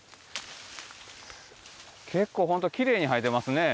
結構ほんときれいに生えてますね。